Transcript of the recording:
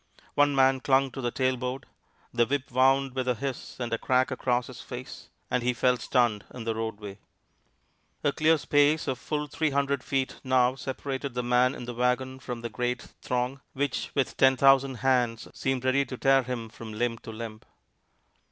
One man clung to the tailboard. The whip wound with a hiss and a crack across his face, and he fell stunned in the roadway. A clear space of full three hundred feet now separated the man in the wagon from the great throng, which with ten thousand hands seemed ready to tear him limb from limb.